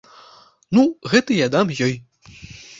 Ну, гэты я дам ёй.